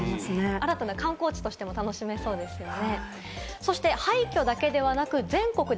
新たな観光地としても楽しめそうですよね。